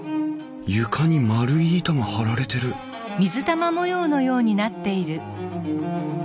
床に円い板が張られてる斬新。